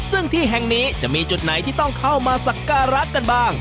ซึ่งที่แห่งนี้จะมีจุดไหนที่ต้องเข้ามาสักการะกันบ้าง